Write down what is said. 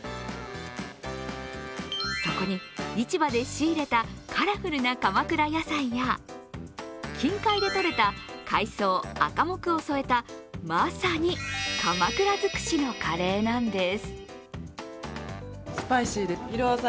そこに市場で仕入れたカラフルな鎌倉野菜や近海で取れた海藻アカモクを添えたまさに鎌倉尽くしのカレーなんです。